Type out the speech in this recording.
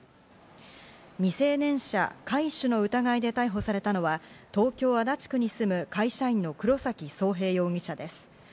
未成年者拐取の疑いで逮捕されたのは、東京足立区に住む会社員の黒崎壮平容疑者です。